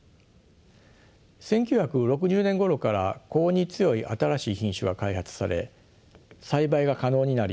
１９６０年ごろから高温に強い新しい品種が開発され栽培が可能になり